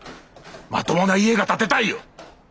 まともな家が建てたいよ！